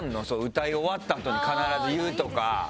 歌い終わったあとに必ず言うとか。